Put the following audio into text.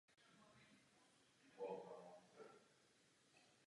Jaké jsou tyto příležitosti?